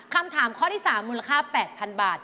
คำถามข้อที่๓มูลค่า๘๐๐๐บาท